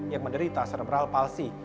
yang menderita cerebral palsy